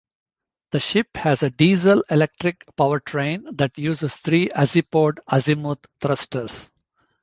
The ship has a diesel-electric powertrain that uses three "Azipod" azimuth thrusters.